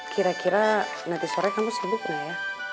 kira kira nanti sore kamu sibuk nggak ya